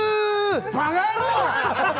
バカ野郎！